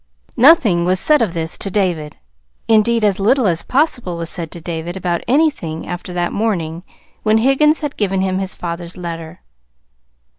Nothing was said of this to David; indeed, as little as possible was said to David about anything after that morning when Higgins had given him his father's letter.